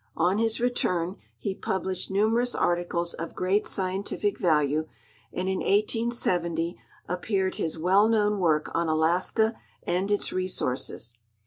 On his return, he I'aiblished numerous articles of great scientific value, and in 1870 ajj peared his well known work on Alaska and its Resources.